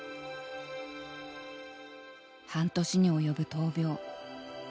半年に及ぶ闘病。